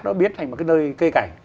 nó biến thành một cái nơi cây cảnh